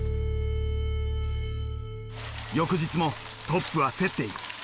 翌日もトップは競っている。